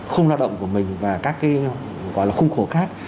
khung lao động của mình và các cái gọi là khung khổ khác